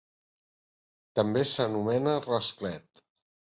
També s'anomena rasclet.